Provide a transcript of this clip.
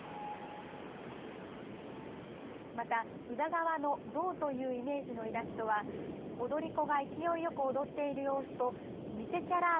また裏側の動というイメージのイラストは踊り子が勢いよく踊っている様子と魅せちゃらあ。